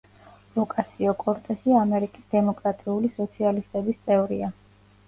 ოკასიო-კორტესი ამერიკის დემოკრატიული სოციალისტების წევრია.